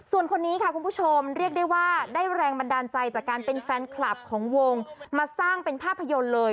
ส่วนคนนี้ค่ะคุณผู้ชมเรียกได้ว่าได้แรงบันดาลใจจากการเป็นแฟนคลับของวงมาสร้างเป็นภาพยนตร์เลย